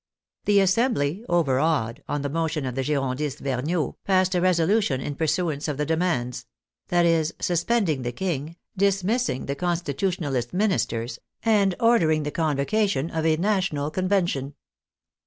The Assembly, overawed, on the motion of the Girondist Vergniaud, passed a reso lution in pursuance of the demands; that is, suspending the King, dismissing the Constitutionalist Ministers, and ordering the convocation of a National Convention.